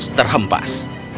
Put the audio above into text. dan dia terhempas